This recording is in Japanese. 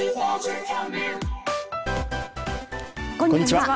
こんにちは。